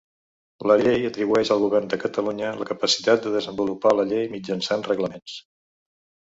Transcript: La llei atribueix al Govern de Catalunya la capacitat de desenvolupar la llei mitjançant reglaments.